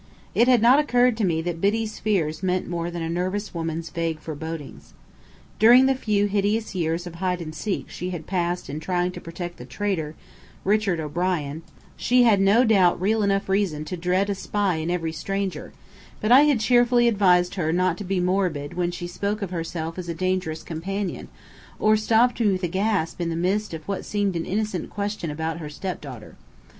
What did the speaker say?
It had not occurred to me that Biddy's fears meant more than a nervous woman's vague forebodings. During the few hideous years of hide and seek she had passed in trying to protect the traitor, Richard O'Brien, she had no doubt had real enough reason to dread a spy in every stranger; but I had cheerfully advised her "not to be morbid" when she spoke of herself as a dangerous companion, or stopped me with a gasp in the midst of what seemed an innocent question about her stepdaughter.